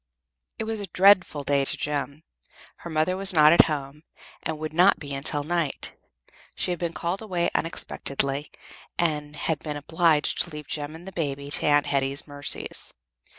It was a dreadful day to Jem. Her mother was not at home, and would not be until night. She had been called away unexpectedly, and had been obliged to leave Jem and the baby to Aunt Hetty's mercies.